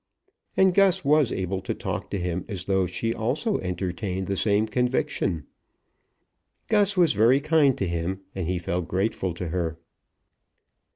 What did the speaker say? And Gus was able to talk to him as though she also entertained the same conviction. Gus was very kind to him, and he felt grateful to her.